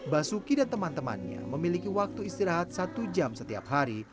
basuki dan teman temannya memiliki waktu istirahat satu jam setiap hari